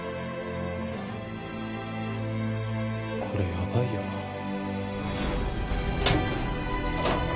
これやばいよな。